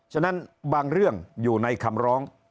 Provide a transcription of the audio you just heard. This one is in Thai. ฉะนั้นบางเรื่องอยู่ในคำร้อง